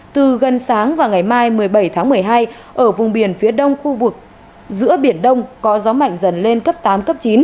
từ gần sáng và ngày mai một mươi bảy tháng một mươi hai ở vùng biển phía đông khu vực giữa biển đông có gió mạnh dần lên cấp tám cấp chín